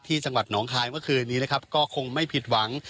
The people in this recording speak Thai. จังหวัดหนองคายเมื่อคืนนี้นะครับก็คงไม่ผิดหวัง